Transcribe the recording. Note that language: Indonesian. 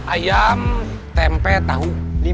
ayam tempe tahu